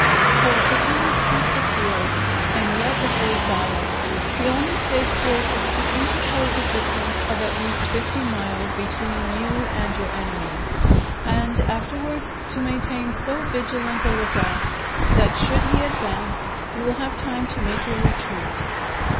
For if you would keep the field and yet avoid battle, the only safe course is to interpose a distance of at least fifty miles between you and your enemy, and afterwards to maintain so vigilant a look out, that should he advance you will have time to make your retreat.